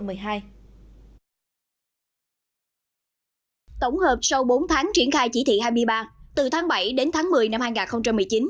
tổng hợp sau bốn tháng triển khai chỉ thị hai mươi ba từ tháng bảy đến tháng một mươi năm hai nghìn một mươi chín